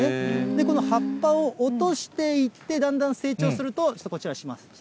この葉っぱを落としていって、だんだん成長すると、ちょっとこちら失礼します。